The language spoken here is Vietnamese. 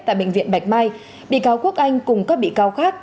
tại bệnh viện bạch mai bị cáo quốc anh cùng các bị cáo khác